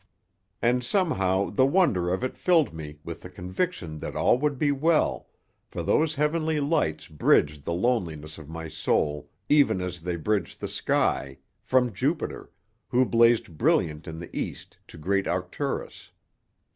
And somehow the wonder of it filled me with the conviction that all would be well for those heavenly lights bridged the loneliness of my soul even as they bridged the sky, from Jupiter, who blazed brilliant in the east to great Arcturus.